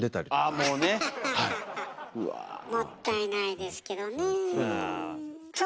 もったいないですけどねえ。